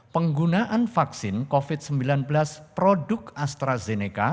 penggunaan vaksin covid sembilan belas produk astrazeneca